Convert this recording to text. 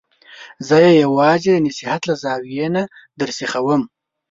زه یې یوازې د نصحت له زاویې نه درسیخوم.